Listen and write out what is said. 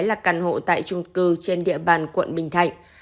là căn hộ tại trung cư trên địa bàn quận bình thạnh